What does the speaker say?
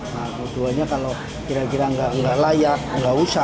nah keduanya kalau kira kira nggak layak nggak usah